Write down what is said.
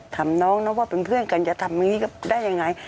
ถามน้องนะว่าเป็นเพื่อนกันจะทำอย่างนี้ได้ยังไง